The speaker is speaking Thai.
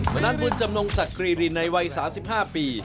นัทบุญจำนงศักรีรินในวัย๓๕ปี